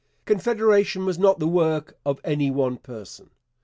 Confederation was not the work of any one person.